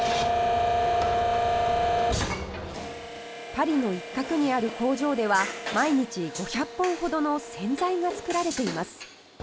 パリの一角にある工場では毎日５００本ほどの洗剤が作られています。